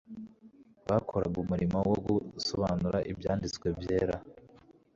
bakoraga umurimo wo gusobanura Ibyanditswe byera.